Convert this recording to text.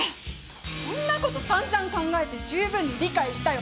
そんなことさんざん考えて十分に理解したよ